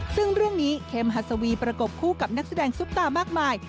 ซึ่งเรื่องนี้เค็มฮัศวีประกบคู่กับนักแสดงซุปตามากมาย